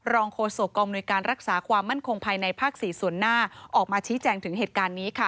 รองคสโรคกรมนโยนิการรักษาความมั่นคงภายในภาคศรีส่วนหน้าออกมาชี้แจ้งถึงเหตุการณ์นี้ค่ะ